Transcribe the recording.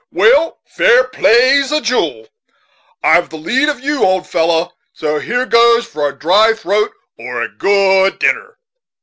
"Well, fair play's a jewel. I've the lead of you, old fellow; so here goes for a dry throat or a good dinner."